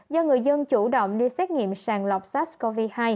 do người dân chủ động đi xét nghiệm sàng lọc sars cov hai